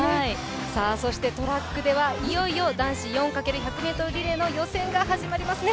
トラックではいよいよ男子４×１００ｍリレーの予選が始まりますね。